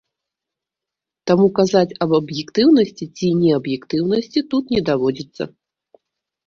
Таму казаць аб аб'ектыўнасці ці неаб'ектыўнасці тут не даводзіцца.